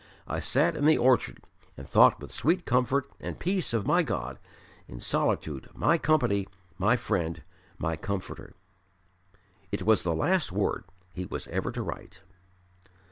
I sat in the orchard and thought with sweet comfort and peace of my God in solitude my Company, my Friend, my Comforter." It was the last word he was ever to write.